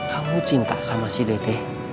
kamu cinta sama si dede